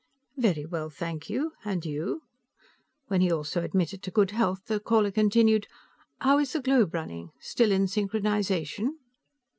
"Very well, thank you. And you?" When he also admitted to good health, the caller continued: "How is the globe running? Still in synchronization?"